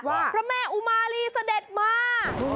พระแม่อุมาลีเสด็จมา